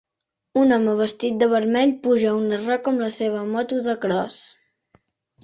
Un home vestit de vermell puja una roca amb la seva moto de cross.